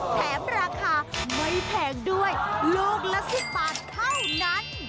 แถมราคาไม่แพงด้วยลูกละ๑๐บาทเท่านั้น